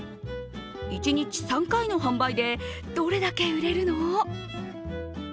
１日３回の販売でどれだけ売れるの？